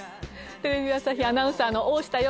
テレビ朝日アナウンサーの大下容子です。